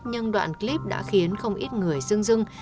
nhưng đoạn clip đã khiến không ít người rưng rưng